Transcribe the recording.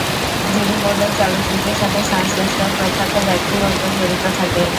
জুরি বোর্ডে চলচ্চিত্রের সাথে সংশ্লিষ্ট প্রখ্যাত ব্যক্তিবর্গ জড়িত থাকেন।